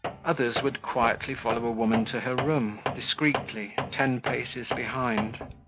Others would quietly follow a woman to her room, discreetly, ten paces behind.